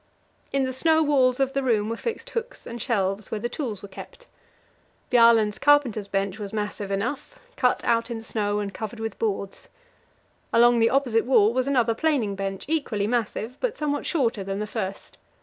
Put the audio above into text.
In the snow walls of the room were fixed hooks and shelves, where the tools were kept. Bjaaland's carpenter's bench was massive enough cut out in the snow and covered with boards. Along the opposite wall was another planing bench, equally massive, but somewhat shorter than the first.